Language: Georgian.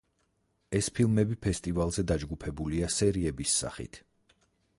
ეს ფილმები ფესტივალზე დაჯგუფებულია სერიების სახით.